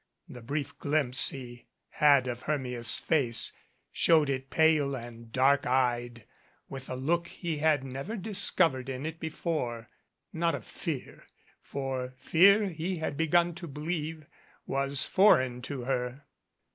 The brief glimpse he had of Hermia's face showed it pale and dark eyed with a look he had never discovered in it be fore, not of fear, for fear he had begun to believe was foreign to her.